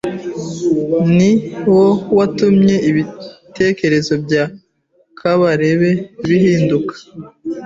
ni wo watumye ibitekerezo bya Kabarebe bihinduka,